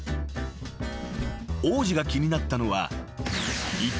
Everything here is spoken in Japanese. ［王子が気になったのは］えっ！？